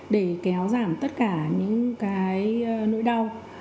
để kéo giảm tất cả những nỗi đau